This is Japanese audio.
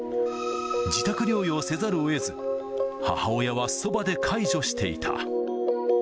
自宅療養せざるをえず、母親はそばで介助していた。